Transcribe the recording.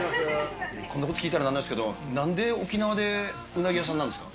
こんなこと聞いたらあれなんですけど、なんで沖縄でうなぎ屋さんなんですか？